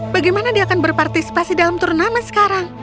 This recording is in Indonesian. bagaimana dia akan berpartisipasi dalam turnamen sekarang